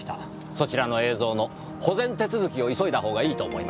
そちらの映像の保全手続きを急いだほうがいいと思います。